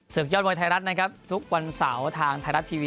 ยอดมวยไทยรัฐนะครับทุกวันเสาร์ทางไทยรัฐทีวี